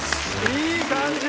いい感じ。